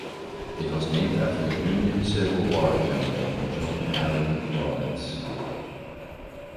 It was named after Union Civil War General John Aaron Rawlins.